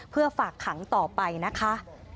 เพื่อฝากขังต่อไปนะคะ